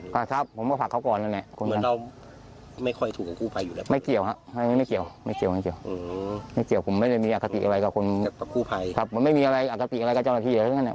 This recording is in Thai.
ครับผมไม่มีอากาศอะไรกับเจ้าหน้าที่